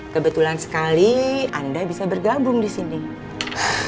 kebetulan sekali anda bisa bergabung di desain grafis